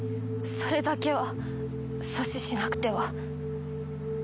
それだけは阻止しなくては。